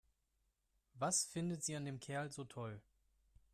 Was findet sie an dem Kerl so toll?